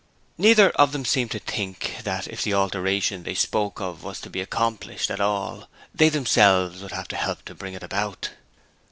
Neither of them seemed to think that if the 'alteration' they spoke of were to be accomplished at all they themselves would have to help to bring it about.